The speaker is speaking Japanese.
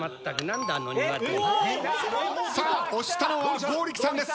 さあ押したのは剛力さんです。